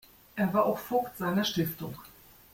Er war auch Voigt seiner Stiftung.